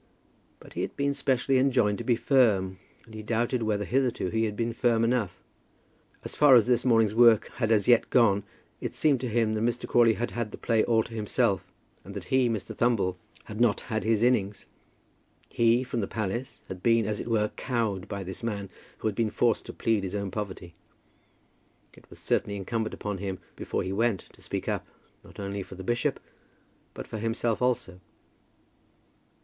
But he had been specially enjoined to be firm, and he doubted whether hitherto he had been firm enough. As far as this morning's work had as yet gone, it seemed to him that Mr. Crawley had had the play all to himself, and that he, Mr. Thumble, had not had his innings. He, from the palace, had been, as it were, cowed by this man, who had been forced to plead his own poverty. It was certainly incumbent upon him, before he went, to speak up, not only for the bishop, but for himself also.